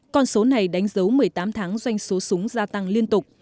con số này đánh dấu một mươi tám tháng doanh số súng gia tăng liên tục